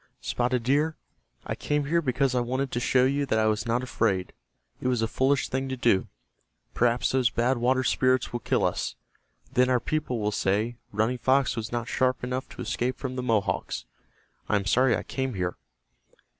"Spotted Deer, I came here because I wanted to show you that I was not afraid. It was a foolish thing to do. Perhaps those Bad Water Spirits will kill us. Then our people will say, 'Running Fox was not sharp enough to escape from the Mohawks.' I am sorry I came here."